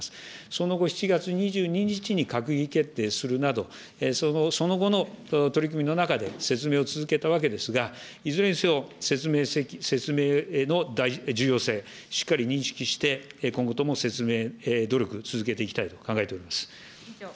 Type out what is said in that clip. その後、７月２２日に閣議決定するなど、その後の取り組みの中で説明を続けたわけですが、いずれにせよ、説明の重要性、しっかり認識して、今後とも説明努力、続けていきたいと考えております。